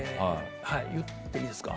言っていいですか？